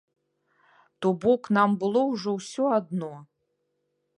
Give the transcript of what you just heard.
То бок нам было ўжо ўсё адно.